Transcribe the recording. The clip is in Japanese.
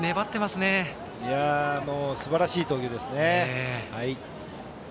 すばらしい投球ですね。